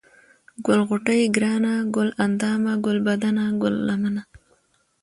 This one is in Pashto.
ګل غوټۍ ، گرانه ، گل اندامه ، گلبدنه ، گل لمنه ،